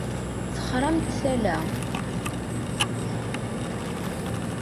Texṛamt tala.